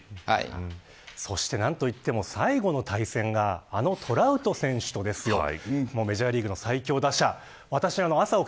そして何といっても最後の対戦があのトラウト選手とですよメジャーリーグの最強打者。